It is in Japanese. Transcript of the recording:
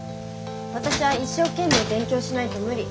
私は一生懸命勉強しないと無理。